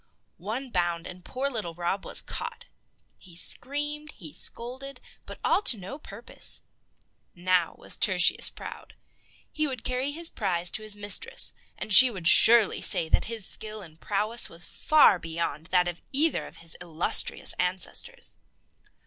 One bound, and poor little Rob was caught. He screamed, he scolded, but all to no purpose. Now was Tertius proud. He would carry his prize to his mistress, and she would surely say that his skill and prowess was far beyond that of either of his illustrious ancestors.